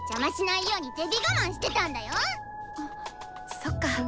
そっか。